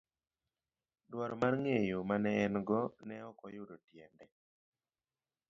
Dwaro mar ng'eyo mane en godo ne ok oyudo tiende.